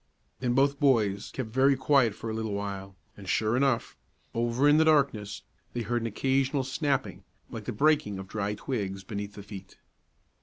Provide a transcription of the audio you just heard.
Then both boys kept very quiet for a little while, and sure enough, over in the darkness, they heard an occasional snapping, like the breaking of dry twigs beneath the feet.